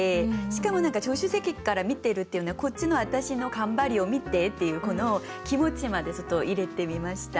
しかも助手席から見てるっていうのはこっちの私の頑張りを見てっていう気持ちまで入れてみました。